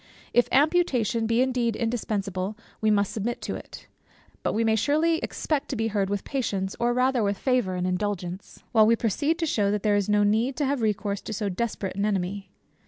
If amputation be indeed indispensable, we must submit to it; but we may surely expect to be heard with patience, or rather with favour and indulgence, while we proceed to shew that there is no need to have recourse to so desperate an enemy.